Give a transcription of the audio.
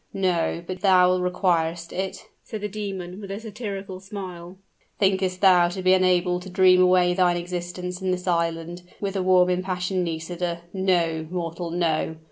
"No, but thou requirest it!" said the demon, with a satirical smile. "Thinkest thou to be enabled to dream away thine existence in this island, with the warm, impassioned Nisida? No, mortal no!